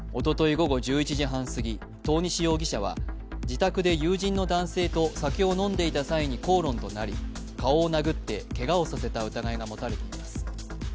午後１１時半すぎ、遠西容疑者は自宅で友人の男性と酒を飲んでいた際に口論となり顔を殴ってけがをさせた疑いが持たれています。